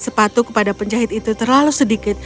sepatu kepada penjahit itu terlalu sedikit